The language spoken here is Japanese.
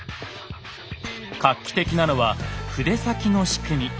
画期的なのは筆先の仕組み。